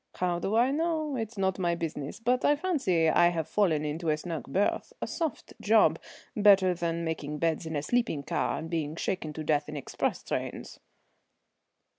"How do I know? It's not my business; but I fancy I have fallen into a snug berth, a soft job, better than making beds in a sleeping car and being shaken to death in express trains."